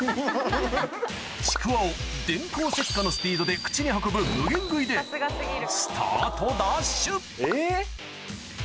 ・ちくわを電光石火のスピードで口に運ぶ無限食いでスタートダッシュえっ？